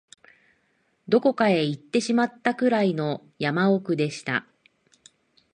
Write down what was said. どこかへ行ってしまったくらいの山奥でした